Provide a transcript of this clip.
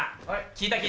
聞いた？